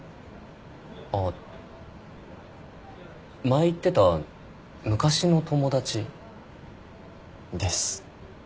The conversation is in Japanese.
前言ってた昔の友達。です。